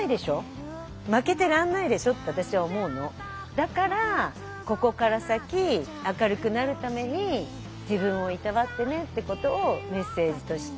だからここから先明るくなるために自分をいたわってねってことをメッセージとして伝えたいです。